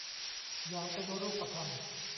อย่างเป็นรูปธรรม